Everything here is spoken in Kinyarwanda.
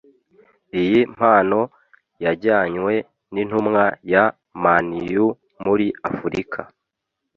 Iyi mpano yajyanywe n’intumwa ya Man U muri Afurika